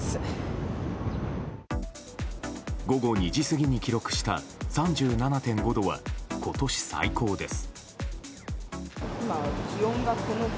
午後２時過ぎに記録した３７．５度は今年最高です。